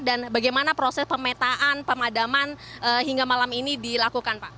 dan bagaimana proses pemetaan pemadaman hingga malam ini dilakukan pak